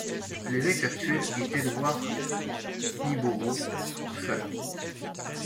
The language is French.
L'évêque actuel est Edward Hiiboro Kussala.